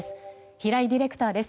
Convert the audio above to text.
平井ディレクターです。